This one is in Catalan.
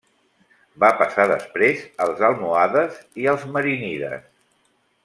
Va passar després als almohades i als marínides.